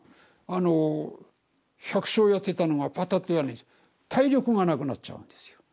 あの百姓やってたのがパタッとやんねぇし体力がなくなっちゃうんですよ。